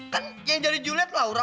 kan yang jadi juliad laura